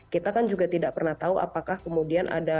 kita kan juga tidak pernah tahu apakah kemudian ada